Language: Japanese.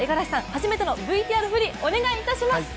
初めてのＶＴＲフリお願いします！